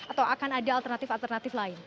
atau akan ada alternatif alternatif lain